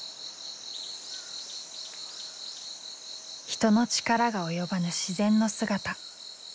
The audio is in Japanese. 人の力が及ばぬ自然の姿。